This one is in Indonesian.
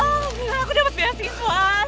akhirnya aku dapet beasiswa